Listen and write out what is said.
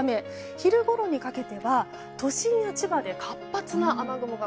昼ごろにかけては都心や千葉で活発な雨雲が。